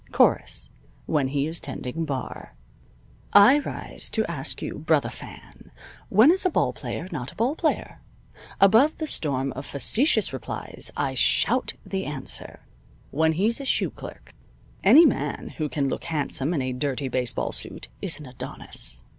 Chorus: When he is tending bar. I rise to ask you Brothah Fan, when is a ball player not a ball player? Above the storm of facetious replies I shout the answer: When he's a shoe clerk. Any man who can look handsome in a dirty baseball suit is an Adonis.